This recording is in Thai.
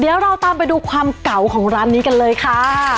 เดี๋ยวเราตามไปดูความเก่าของร้านนี้กันเลยค่ะ